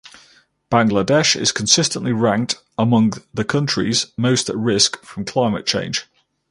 Bangladesh is consistently ranked among the countries most at risk from climate change.